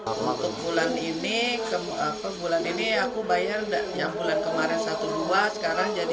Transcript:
untuk bulan ini aku bayar yang bulan kemarin satu dua sekarang jadi satu lima